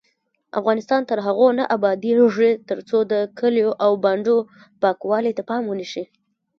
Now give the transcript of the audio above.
افغانستان تر هغو نه ابادیږي، ترڅو د کلیو او بانډو پاکوالي ته پام ونشي.